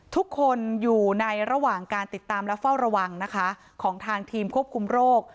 ทุกคนอยู่ในระหว่างการติดตามและเฝ้าระวังนะคะของทางทีมควบคุมโรค